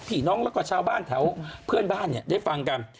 พี่น้องแล้วก็ชาวบ้านแถวเพื่อนบ้านเนี่ยได้ฟังกัน